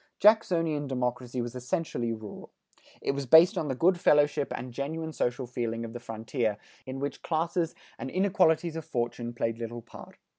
Jacksonian democracy was essentially rural. It was based on the good fellowship and genuine social feeling of the frontier, in which classes and inequalities of fortune played little part.